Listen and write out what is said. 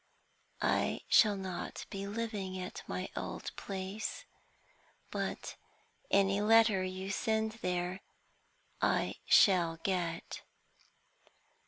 I shall not be living at the old place, but any letter you send there I shall get.